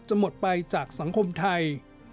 หมดไปจากสังคมไทย